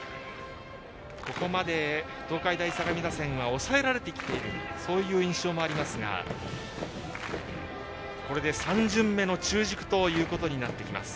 ここまで東海大相模打線は抑えられてきているというそういう印象もありますがこれで３巡目の中軸となってきます。